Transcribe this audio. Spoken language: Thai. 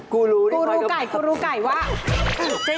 กูรูกูรูไก่ว่า